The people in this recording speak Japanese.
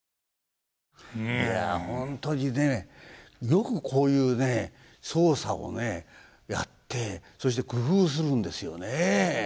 いや本当にねよくこういうね操作をねやってそして工夫するんですよね。